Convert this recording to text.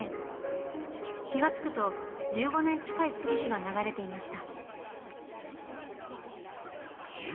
気がつくと１５年近い月日が流れていました。